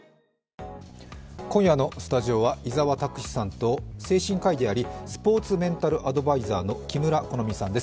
今夜のスタジオは伊沢拓司さんと精神科医でありスポーツメンタルアドバイザーの木村好珠さんです。